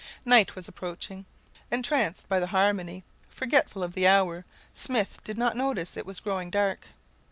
Night was approaching. Entranced by the harmony, forgetful of the hour, Smith did not notice that it was growing dark.